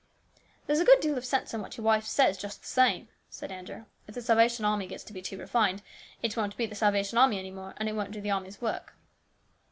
" There's a good deal of sense in what your wife says, just the same," said Andrew. " If the Salvation Army gets to be too refined, it won't be the Salvation Army any more, and it won't do the army's work."